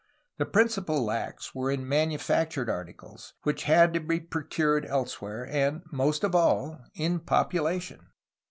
The principal lacks were in manu factured articles, which had to be procured elsewhere, and, most of all, in population.